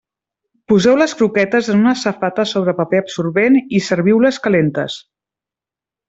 Poseu les croquetes en una safata sobre paper absorbent i serviu-les calentes.